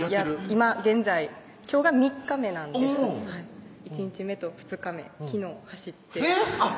今現在今日が３日目なんですうん１日目と２日目昨日走ってえぇっ！